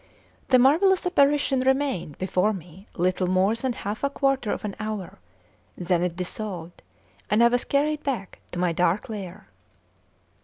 The marvellous apparition remained before me little more than half a quarter of an hour: then it dissolved, and I was carried back to my dark lair.